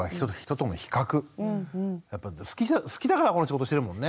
やっぱり好きだからこの仕事してるもんね。